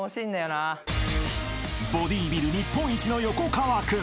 ［ボディビル日本一の横川君］